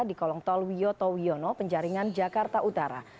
di kolong tol wiyoto wiono penjaringan jakarta utara